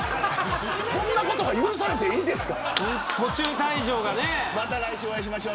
こんなことが許されていいんですか。